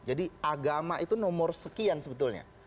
jadi agama itu nomor sekian sebetulnya